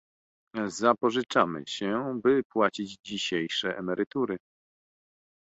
Zapożyczamy się, by płacić dzisiejsze emerytury